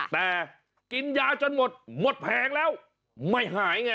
แต่กินยาจนหมดหมดแผงแล้วไม่หายไง